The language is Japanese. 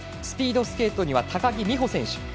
スピードスケートには高木美帆選手。